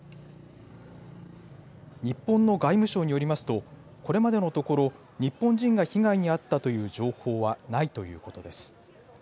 日本の外務省によりますと、これまでのところ日本人が被害に遭ったという情報はないということです。